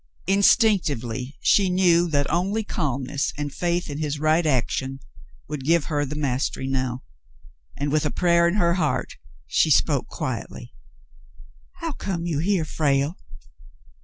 Instinctively she knew that only calmness and faith in his right action would give her the mastery now, and with a prayer in her heart she spoke quietly. "How came you here, Frale